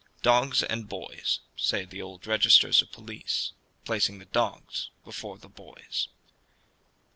"Dogs and boys," say the old registers of police, placing the dogs before the boys.